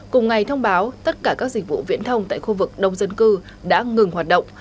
cùng ngày thông báo tất cả các dịch vụ viễn thông tại khu vực đông dân cư đã ngừng hoạt động